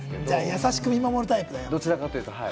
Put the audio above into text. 優しく見守るタイプだ。